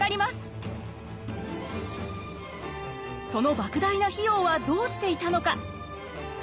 その莫大な費用はどうしていたのか。